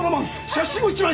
写真を１枚。